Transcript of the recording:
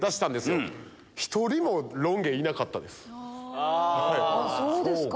あそうですか。